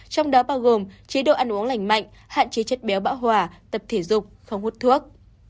trong đó bao gồm chế độ ăn uống lành mạnh hạn chế chất béo bão hòa tập thể dục không hút thuốc